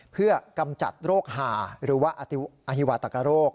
เพื่อกำจัดโรคหาหรือว่าอฮิวาตกโรค